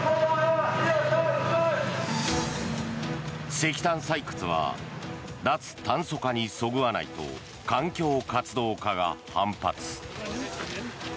石炭採掘は脱炭素化にそぐわないと環境活動家が反発。